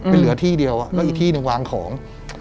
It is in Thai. ไม่เหลือที่เดียวก็อีกที่นึงวางของ